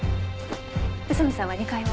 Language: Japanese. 宇佐見さんは２階を。